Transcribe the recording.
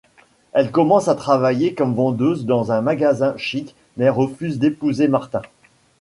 Elle commence à travailler comme vendeuse dans un magasin chic, mais refuse d'épouser Martin.